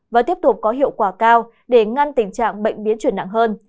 và tiếp tục có hiệu quả cao để ngăn tình trạng bệnh biến chuyển nặng hơn